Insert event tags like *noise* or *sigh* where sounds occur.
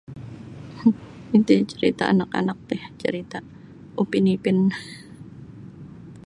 *laughs* iti ntai carita' anak-anak ti carita' upin ipin. *laughs*